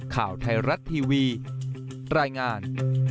ข่าวไทยรัฐทีวีรายงาน